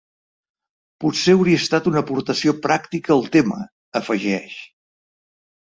Potser hauria estat una aportació pràctica al tema, afegeix.